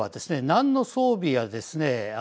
なんの装備やですね